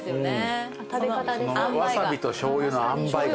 ワサビとしょうゆのあんばいが。